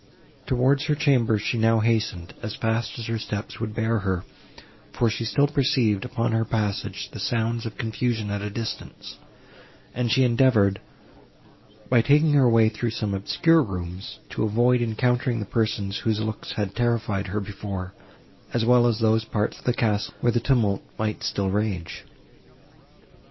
Towards her chamber she now hastened, as fast as her steps would bear her, for she still perceived, upon her passage, the sounds of confusion at a distance, and she endeavoured, by taking her way through some obscure rooms, to avoid encountering the persons, whose looks had terrified her before, as well as those parts of the castle, where the tumult might still rage.